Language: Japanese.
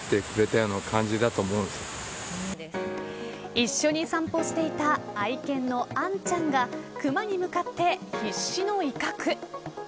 一緒に散歩していた愛犬のアンちゃんが熊に向かって必死の威嚇。